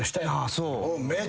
そう。